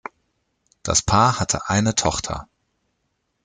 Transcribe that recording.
Das Paar hatte eine Tochter.